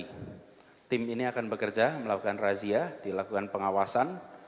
jadi tim ini akan bekerja melakukan razia dilakukan pengawasan